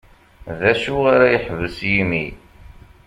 D acu ara ad yeḥbes yimi.